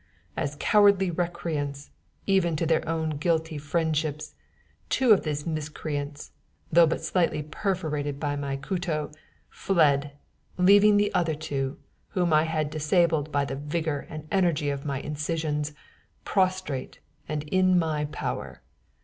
As cowardly recreants, even to their own guilty friendships, two of these miscreants, though but slightly perforated by my cutto, fled, leaving the other two, whom I had disabled by the vigor and energy of my incisions, prostrate and in my power.